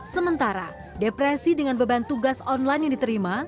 sementara depresi dengan beban tugas online yang diterima